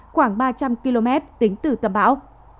khoảng ba trăm linh km tính từ tâm bão